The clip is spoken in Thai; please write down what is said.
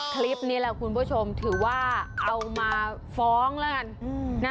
คลิปนี้แหละคุณผู้ชมถือว่าเอามาฟ้องแล้วกัน